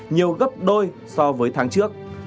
nhiều gấp đôi so với tháng trước